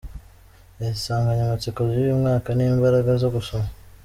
Insanganyamatsiko y’uyu mwaka ni “Imbaraga zo gusoma”.